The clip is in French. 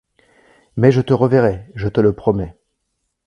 Mais je te reverrai, je te le promets.